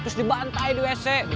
terus dibantai di wc